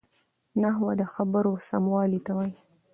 نحوه د خبرو سموالی ساتي.